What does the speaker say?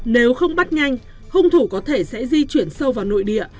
nếu không bắt nhanh hung thủ có thể sẽ di chuyển sâu vào nội địa